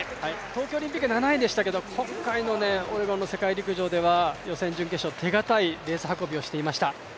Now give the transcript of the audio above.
東京オリンピック７位でしたけれども、今回のオレゴンの世界陸上では予選、準決勝、手堅いレース運びをしていました、